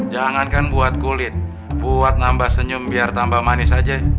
jangankan buat kulit buat nambah senyum biar tambah manis aja